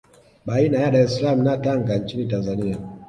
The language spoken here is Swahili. Baina ya Dar es Salaam na Tanga nchini Tanzania